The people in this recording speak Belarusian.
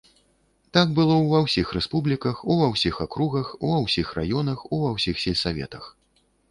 Так было ўва ўсіх рэспубліках, ува ўсіх акругах, ува ўсіх раёнах, ува ўсіх сельсаветах.